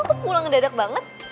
karawan kok pulang ngededek banget